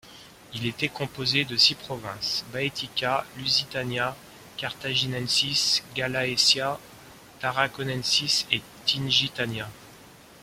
Il était composé de six provinces: Baetica, Lusitania, Cartaginensis, Gallaecia, Tarraconensis et Tingitania.